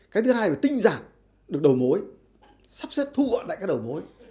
cái thứ hai là tinh giảm được đầu mối sắp xếp thu gọn lại các đầu mối